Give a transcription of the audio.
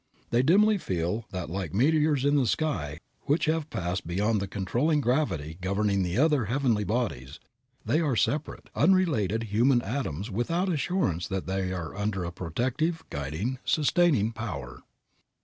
They dimly feel that like meteors in the sky which have passed beyond the controlling gravity governing the other heavenly bodies, they are separate, unrelated human atoms without assurance that they are under a protective, guiding, sustaining power.